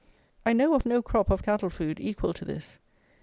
I know of no crop of cattle food equal to this.